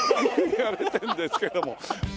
いわれてんですけども。